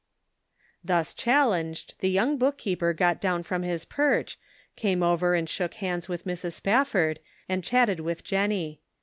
Thus challenged, the young book keeper got down from his perch, came over and shook hands with Mrs. Spafford, and chatted with Jennie.